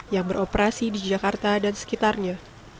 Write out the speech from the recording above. yang beroperasi di jakarta dan sekitarnya